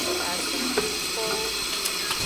Azangbe ngkowo.